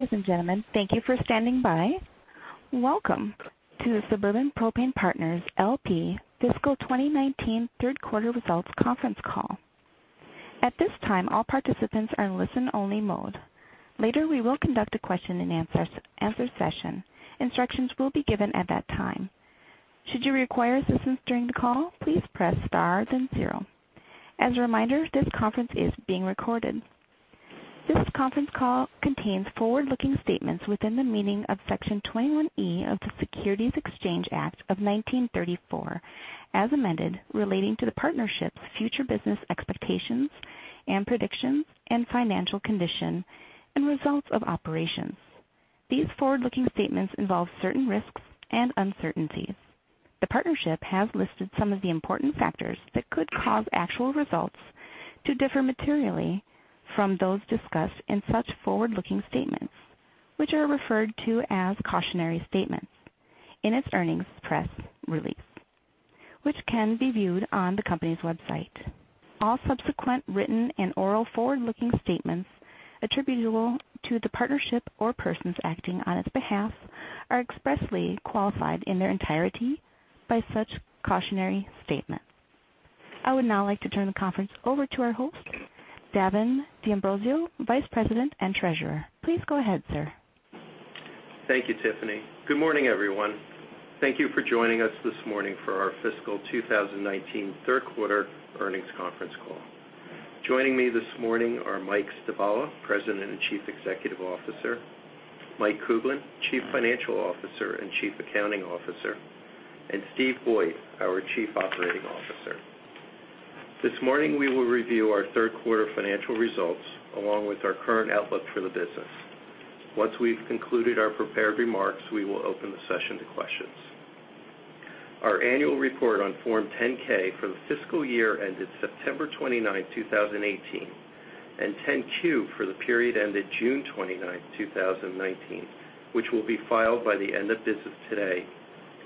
Ladies and gentlemen, thank you for standing by. Welcome to the Suburban Propane Partners, L.P. Fiscal 2019 third quarter results conference call. At this time, all participants are in listen only mode. Later, we will conduct a question and answer session. Instructions will be given at that time. Should you require assistance during the call, please press star then zero. As a reminder, this conference is being recorded. This conference call contains forward-looking statements within the meaning of Section 21E of the Securities Exchange Act of 1934, as amended, relating to the partnership's future business expectations and predictions and financial condition and results of operations. These forward-looking statements involve certain risks and uncertainties. The partnership has listed some of the important factors that could cause actual results to differ materially from those discussed in such forward-looking statements, which are referred to as cautionary statements in its earnings press release, which can be viewed on the company's website. All subsequent written and oral forward-looking statements attributable to the partnership or persons acting on its behalf are expressly qualified in their entirety by such cautionary statements. I would now like to turn the conference over to our host, Davin D'Ambrosio, Vice President and Treasurer. Please go ahead, sir. Thank you, Tiffany. Good morning, everyone. Thank you for joining us this morning for our fiscal 2019 third quarter earnings conference call. Joining me this morning are Mike Stivala, President and Chief Executive Officer, Mike Kuglin, Chief Financial Officer and Chief Accounting Officer, and Steve Boyd, our Chief Operating Officer. This morning, we will review our third quarter financial results along with our current outlook for the business. Once we've concluded our prepared remarks, we will open the session to questions. Our annual report on Form 10-K for the fiscal year ended September 29, 2018, and 10-Q for the period ended June 29, 2019, which will be filed by the end of business today,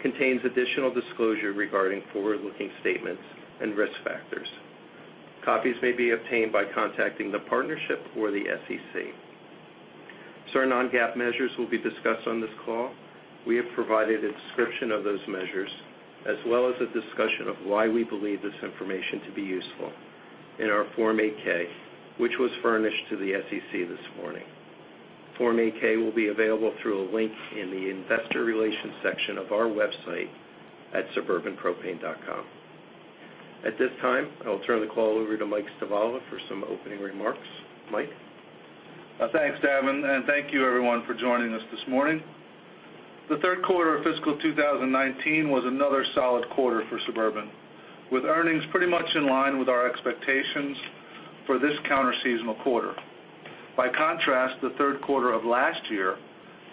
contains additional disclosure regarding forward-looking statements and risk factors. Copies may be obtained by contacting the partnership or the SEC. Certain non-GAAP measures will be discussed on this call. We have provided a description of those measures, as well as a discussion of why we believe this information to be useful in our Form 8-K, which was furnished to the SEC this morning. Form 8-K will be available through a link in the investor relations section of our website at suburbanpropane.com. At this time, I'll turn the call over to Mike Stivala for some opening remarks. Mike? Thanks, Davin, and thank you everyone for joining us this morning. The third quarter of fiscal 2019 was another solid quarter for Suburban, with earnings pretty much in line with our expectations for this counter seasonal quarter. By contrast, the third quarter of last year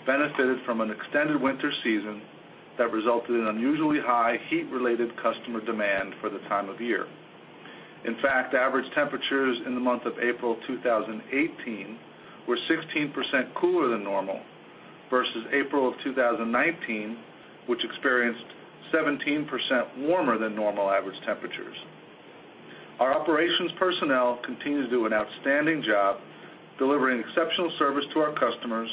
benefited from an extended winter season that resulted in unusually high heat-related customer demand for the time of year. In fact, average temperatures in the month of April 2018 were 16% cooler than normal versus April of 2019, which experienced 17% warmer than normal average temperatures. Our operations personnel continue to do an outstanding job delivering exceptional service to our customers,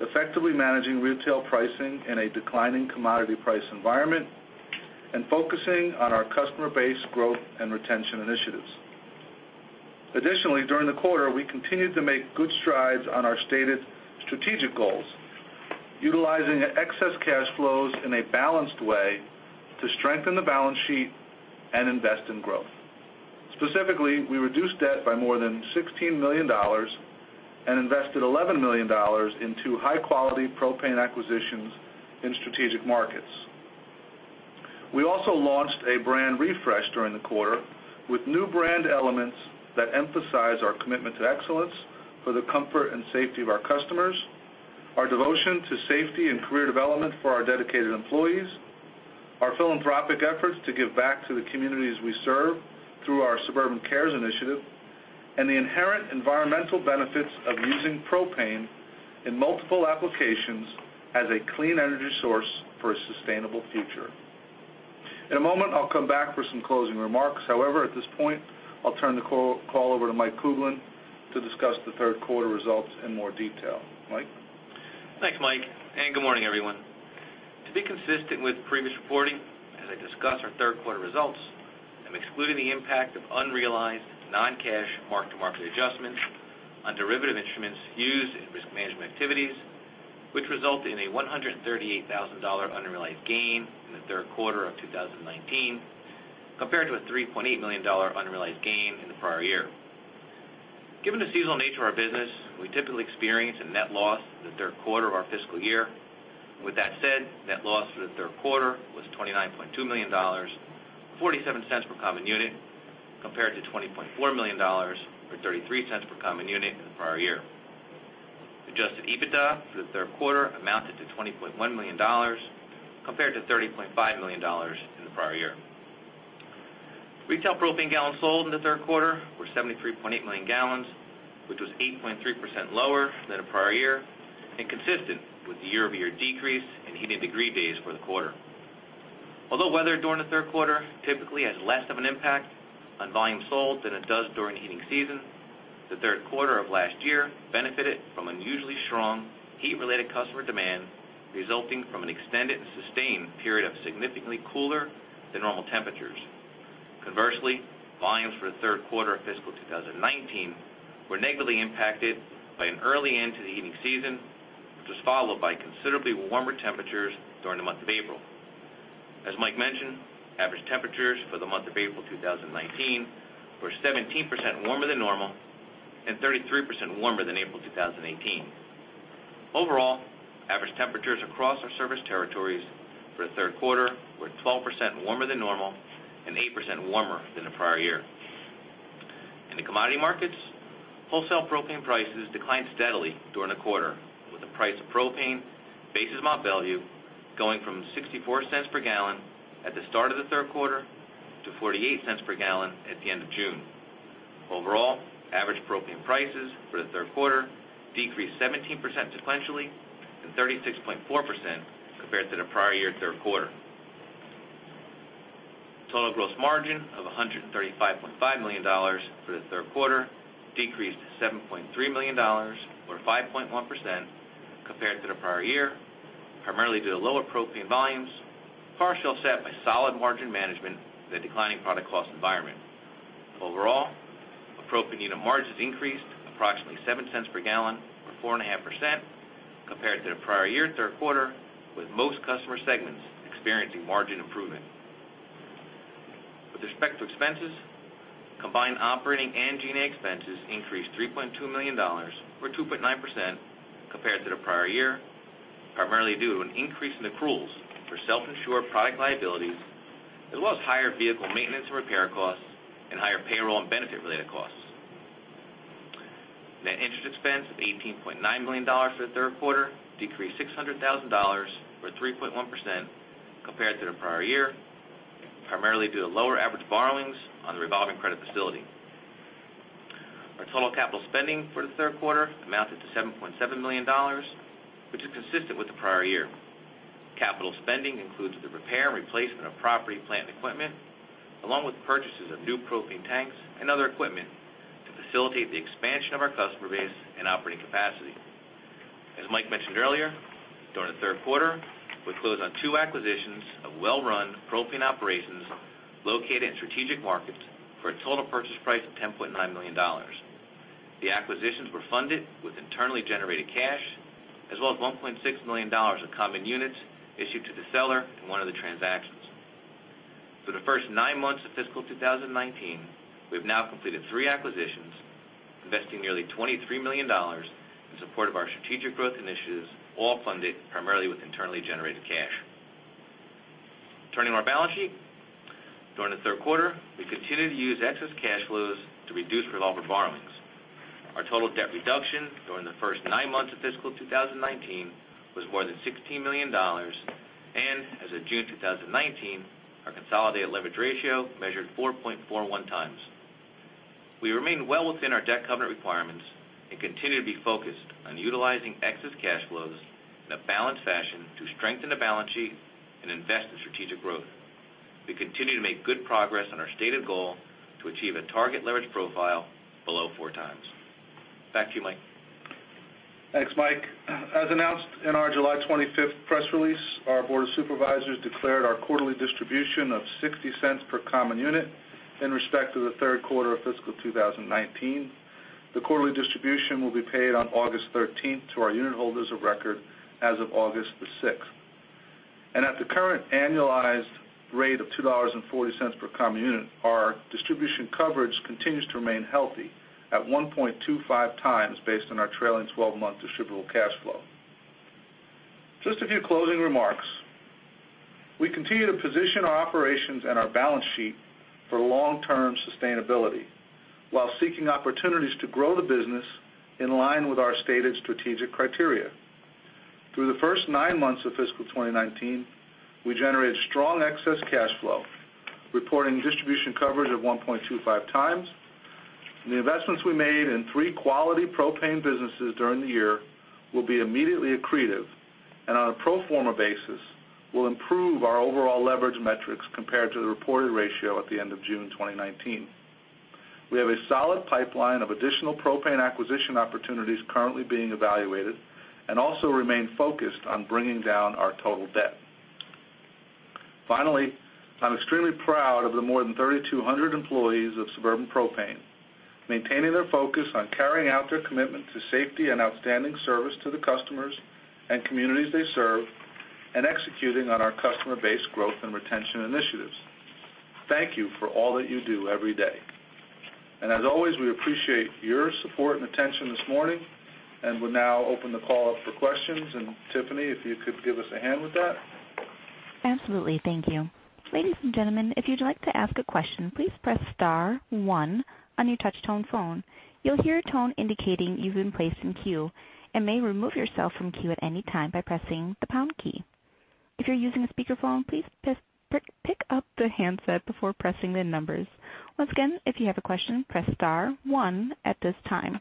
effectively managing retail pricing in a declining commodity price environment and focusing on our customer base growth and retention initiatives. Additionally, during the quarter, we continued to make good strides on our stated strategic goals, utilizing excess cash flows in a balanced way to strengthen the balance sheet and invest in growth. Specifically, we reduced debt by more than $16 million and invested $11 million into high-quality propane acquisitions in strategic markets. We also launched a brand refresh during the quarter with new brand elements that emphasize our commitment to excellence for the comfort and safety of our customers, our devotion to safety and career development for our dedicated employees, our philanthropic efforts to give back to the communities we serve through our SuburbanCares initiative, and the inherent environmental benefits of using propane in multiple applications as a clean energy source for a sustainable future. In a moment, I'll come back for some closing remarks. However, at this point, I'll turn the call over to Mike Kuglin to discuss the third quarter results in more detail. Mike? Thanks, Mike, and good morning, everyone. To be consistent with previous reporting, as I discuss our third quarter results, I'm excluding the impact of unrealized non-cash mark-to-market adjustments on derivative instruments used in risk management activities, which result in a $138,000 unrealized gain in the third quarter of 2019, compared to a $3.8 million unrealized gain in the prior year. Given the seasonal nature of our business, we typically experience a net loss in the third quarter of our fiscal year. With that said, net loss for the third quarter was $29.2 million, $0.47 per common unit, compared to $20.4 million or $0.33 per common unit in the prior year. Adjusted EBITDA for the third quarter amounted to $20.1 million, compared to $30.5 million in the prior year. Retail propane gallons sold in the third quarter were 73.8 million gallons, which was 8.3% lower than the prior year and consistent with the year-over-year decrease in heating degree days for the quarter. Although weather during the third quarter typically has less of an impact on volume sold than it does during the heating season, the third quarter of last year benefited from unusually strong heat-related customer demand resulting from an extended and sustained period of significantly cooler than normal temperatures. Conversely, volumes for the third quarter of fiscal 2019 were negatively impacted by an early end to the heating season, which was followed by considerably warmer temperatures during the month of April. As Mike mentioned, average temperatures for the month of April 2019 were 17% warmer than normal and 33% warmer than April 2018. Overall, average temperatures across our service territories for the third quarter were 12% warmer than normal and 8% warmer than the prior year. In the commodity markets, wholesale propane prices declined steadily during the quarter, with the price of propane, basis Mont Belvieu, going from $0.64 per gallon at the start of the third quarter to $0.48 per gallon at the end of June. Overall, average propane prices for the third quarter decreased 17% sequentially and 36.4% compared to the prior year third quarter. Total gross margin of $135.5 million for the third quarter decreased $7.3 million, or 5.1%, compared to the prior year, primarily due to lower propane volumes, partially offset by solid margin management in a declining product cost environment. Overall, our propane unit margins increased approximately $0.07 per gallon or 4.5% compared to the prior year third quarter, with most customer segments experiencing margin improvement. With respect to expenses, combined operating and G&A expenses increased $3.2 million, or 2.9%, compared to the prior year, primarily due to an increase in accruals for self-insured product liabilities, as well as higher vehicle maintenance and repair costs and higher payroll and benefit related costs. Net interest expense of $18.9 million for the third quarter decreased $600,000, or 3.1%, compared to the prior year, primarily due to lower average borrowings on the revolving credit facility. Our total capital spending for the third quarter amounted to $7.7 million, which is consistent with the prior year. Capital spending includes the repair and replacement of property, plant, and equipment, along with purchases of new propane tanks and other equipment to facilitate the expansion of our customer base and operating capacity. As Mike mentioned earlier, during the third quarter, we closed on two acquisitions of well-run propane operations located in strategic markets for a total purchase price of $10.9 million. The acquisitions were funded with internally generated cash as well as $1.6 million of common units issued to the seller in one of the transactions. For the first nine months of fiscal 2019, we've now completed three acquisitions, investing nearly $23 million in support of our strategic growth initiatives, all funded primarily with internally generated cash. Turning to our balance sheet. During the third quarter, we continued to use excess cash flows to reduce revolving borrowings. Our total debt reduction during the first nine months of fiscal 2019 was more than $16 million, and as of June 2019, our consolidated leverage ratio measured 4.41 times. We remain well within our debt covenant requirements and continue to be focused on utilizing excess cash flows in a balanced fashion to strengthen the balance sheet and invest in strategic growth. We continue to make good progress on our stated goal to achieve a target leverage profile below four times. Back to you, Mike. Thanks, Mike. As announced in our July 25th press release, our Board of Supervisors declared our quarterly distribution of $0.60 per common unit in respect to the third quarter of fiscal 2019. The quarterly distribution will be paid on August 13th to our unit holders of record as of August 6th. At the current annualized rate of $2.40 per common unit, our distribution coverage continues to remain healthy at 1.25 times based on our trailing 12-month distributable cash flow. Just a few closing remarks. We continue to position our operations and our balance sheet for long-term sustainability while seeking opportunities to grow the business in line with our stated strategic criteria. Through the first nine months of fiscal 2019, we generated strong excess cash flow, reporting distribution coverage of 1.25 times. The investments we made in three quality propane businesses during the year will be immediately accretive and on a pro forma basis, will improve our overall leverage metrics compared to the reported ratio at the end of June 2019. We have a solid pipeline of additional propane acquisition opportunities currently being evaluated and also remain focused on bringing down our total debt. Finally, I'm extremely proud of the more than 3,200 employees of Suburban Propane, maintaining their focus on carrying out their commitment to safety and outstanding service to the customers and communities they serve and executing on our customer base growth and retention initiatives. Thank you for all that you do every day. As always, we appreciate your support and attention this morning and will now open the call up for questions. Tiffany, if you could give us a hand with that. Absolutely. Thank you. Ladies and gentlemen, if you'd like to ask a question, please press star one on your touch tone phone. You'll hear a tone indicating you've been placed in queue and may remove yourself from queue at any time by pressing the pound key. If you're using a speakerphone, please pick up the handset before pressing the numbers. Once again, if you have a question, press star one at this time.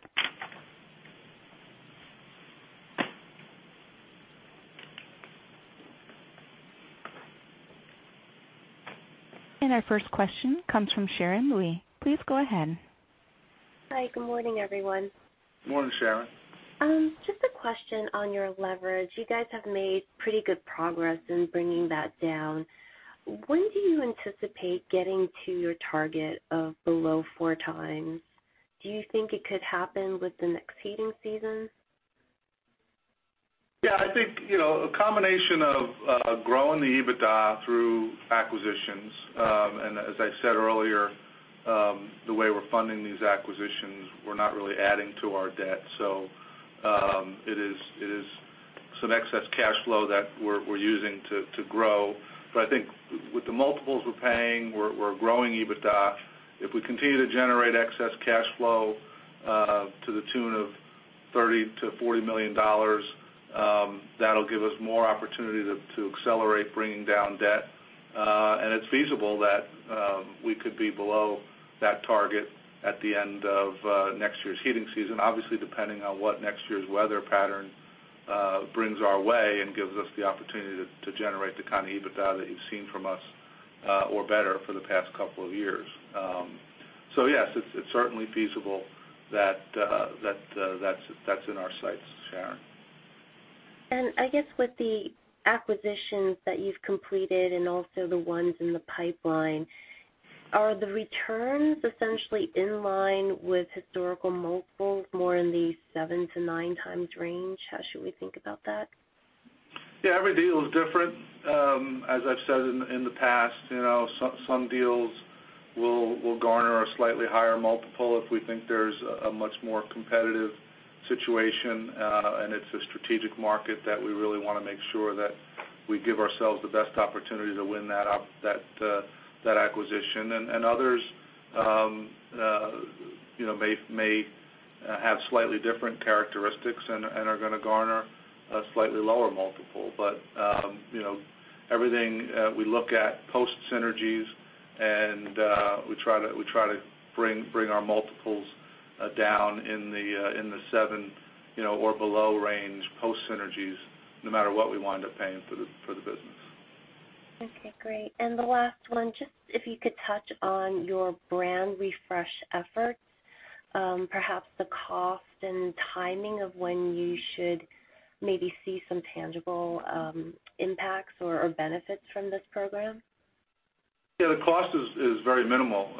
Our first question comes from Sharon Lee. Please go ahead. Hi, good morning, everyone. Morning, Sharon. Just a question on your leverage. You guys have made pretty good progress in bringing that down. When do you anticipate getting to your target of below 4x? Do you think it could happen with the next heating season? I think, a combination of growing the EBITDA through acquisitions. As I said earlier, the way we're funding these acquisitions, we're not really adding to our debt. It is some excess cash flow that we're using to grow. I think with the multiples we're paying, we're growing EBITDA. If we continue to generate excess cash flow, to the tune of $30 million-$40 million, that'll give us more opportunity to accelerate bringing down debt. It's feasible that we could be below that target at the end of next year's heating season, obviously, depending on what next year's weather pattern brings our way and gives us the opportunity to generate the kind of EBITDA that you've seen from us, or better, for the past couple of years. Yes, it's certainly feasible that that's in our sights, Sharon. I guess with the acquisitions that you've completed and also the ones in the pipeline, are the returns essentially in line with historical multiples, more in the seven to nine times range? How should we think about that? Yeah, every deal is different. As I've said in the past, some deals will garner a slightly higher multiple if we think there's a much more competitive situation, and it's a strategic market that we really want to make sure that we give ourselves the best opportunity to win that acquisition. Others may have slightly different characteristics and are going to garner a slightly lower multiple. Everything we look at post synergies and we try to bring our multiples down in the seven or below range post synergies no matter what we wind up paying for the business. Okay, great. The last one, just if you could touch on your brand refresh efforts. Perhaps the cost and timing of when you should maybe see some tangible impacts or benefits from this program. The cost is very minimal,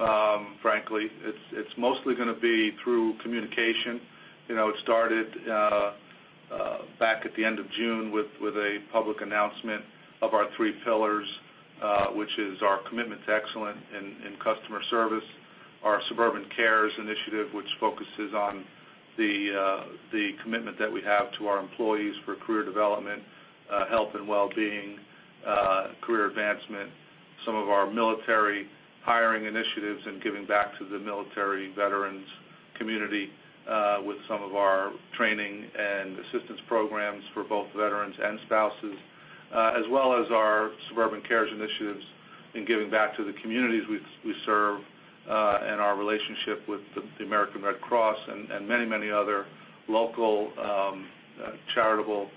frankly. It's mostly going to be through communication. It started back at the end of June with a public announcement of our three pillars, which is our commitment to excellence in customer service, our SuburbanCares initiative, which focuses on the commitment that we have to our employees for career development, health and wellbeing, career advancement. Some of our military hiring initiatives, giving back to the military veterans community, with some of our training and assistance programs for both veterans and spouses. As well as our SuburbanCares initiatives in giving back to the communities we serve, our relationship with the American Red Cross and many other local charitable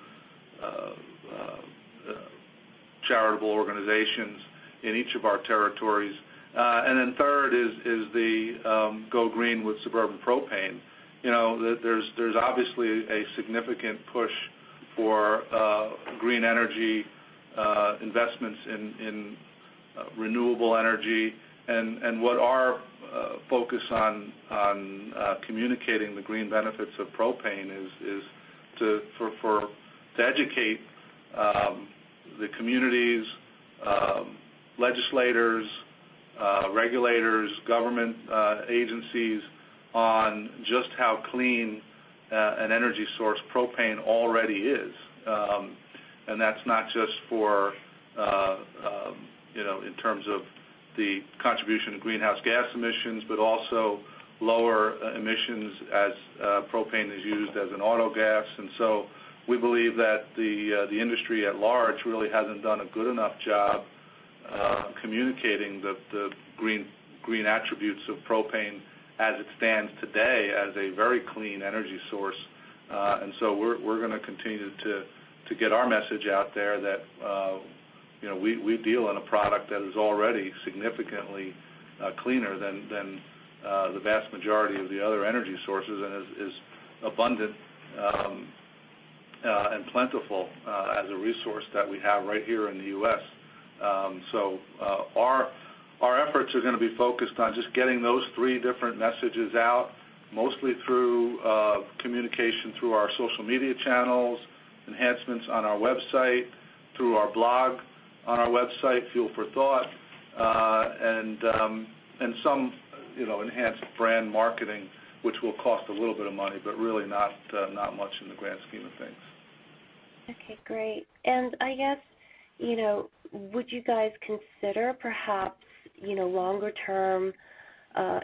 organizations in each of our territories. Third is the Go Green with Suburban Propane. There's obviously a significant push for green energy investments in renewable energy. What our focus on communicating the green benefits of propane is to educate the communities, legislators, regulators, government agencies on just how clean an energy source propane already is. That's not just in terms of the contribution of greenhouse gas emissions, but also lower emissions as propane is used as an autogas. We believe that the industry at large really hasn't done a good enough job communicating the green attributes of propane as it stands today as a very clean energy source. We're going to continue to get our message out there that we deal in a product that is already significantly cleaner than the vast majority of the other energy sources and is abundant and plentiful as a resource that we have right here in the U.S. Our efforts are going to be focused on just getting those three different messages out, mostly through communication through our social media channels, enhancements on our website, through our blog on our website, Fuel for Thought, and some enhanced brand marketing, which will cost a little bit of money, but really not much in the grand scheme of things. Okay, great. I guess, would you guys consider perhaps, longer-term,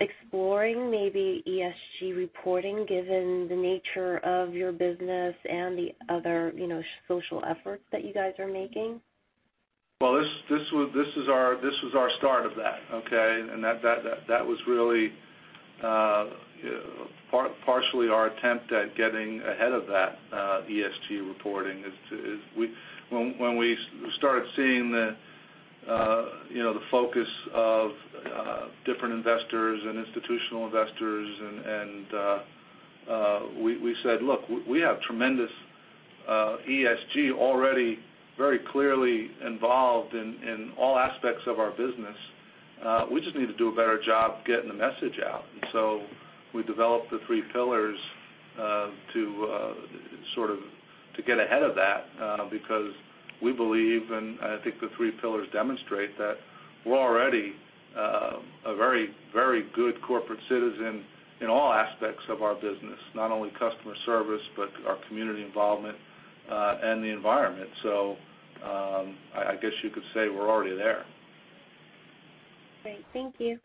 exploring maybe ESG reporting given the nature of your business and the other social efforts that you guys are making? Well, this was our start of that, okay? That was really partially our attempt at getting ahead of that ESG reporting. When we started seeing the focus of different investors and institutional investors, we said, "Look, we have tremendous ESG already very clearly involved in all aspects of our business. We just need to do a better job getting the message out." We developed the three pillars to get ahead of that because we believe, and I think the three pillars demonstrate, that we're already a very good corporate citizen in all aspects of our business, not only customer service, but our community involvement and the environment. I guess you could say we're already there. Great. Thank you.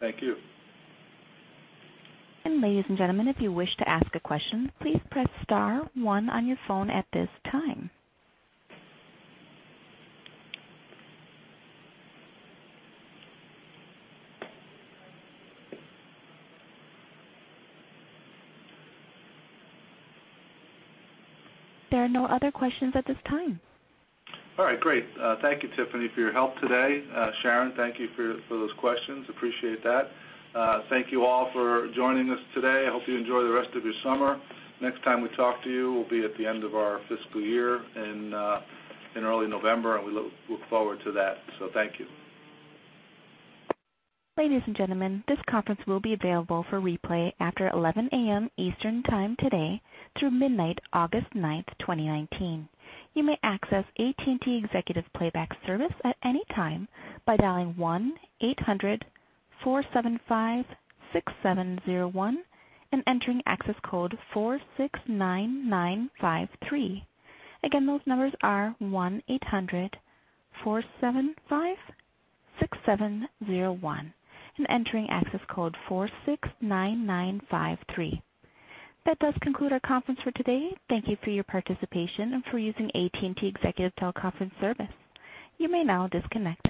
Thank you. Ladies and gentlemen, if you wish to ask a question, please press star one on your phone at this time. There are no other questions at this time. All right, great. Thank you, Tiffany, for your help today. Sharon, thank you for those questions. Appreciate that. Thank you all for joining us today. I hope you enjoy the rest of your summer. Next time we talk to you will be at the end of our fiscal year in early November, and we look forward to that. Thank you. Ladies and gentlemen, this conference will be available for replay after 11:00 a.m. Eastern Time today through midnight, August 9, 2019. You may access AT&T Executive Playback service at any time by dialing 1-800-475-6701 and entering access code 469953. Again, those numbers are 1-800-475-6701 and entering access code 469953. That does conclude our conference for today. Thank you for your participation and for using AT&T Executive Teleconference service. You may now disconnect.